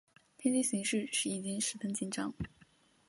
天津形势已经非常紧张。